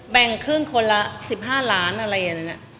แบ่งครึ่งคนละ๑๕ล้านอะไรอย่างนี้